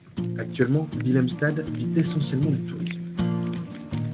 Actuellement Willemstad vit essentiellement du tourisme.